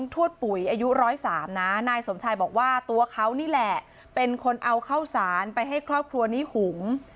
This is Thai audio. ทวดปุ๋ยอายุ๑๐๓นะนายสมชายบอกว่าตัวเขานี่แหละเป็นคนเอาข้าวสารไปให้ครอบครัวนี้หุง